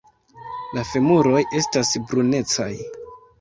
La femuroj estas brunecaj.